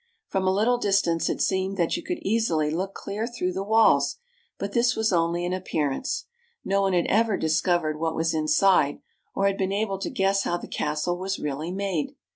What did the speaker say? Prom a little distance it seemed that you could easily look clear through the walls, but this was only an appearance. No one had ever discovered what was inside, or had been able to guess how the castle was really made.